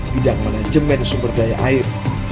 bidang manajemen sumber daya air